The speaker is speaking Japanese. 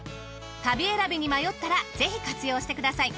旅選びに迷ったらぜひ活用してください。